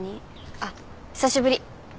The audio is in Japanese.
あっ久しぶり。